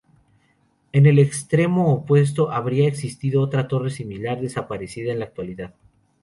En el extremo opuesto habría existido otra torre similar, desaparecida en la actualidad.